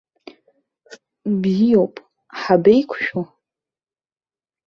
Бзиоуп, ҳабеиқәшәо?